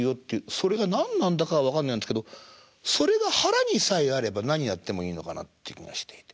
それが何なんだかは分かんないんですけどそれが腹にさえあれば何やってもいいのかなって気がしていて。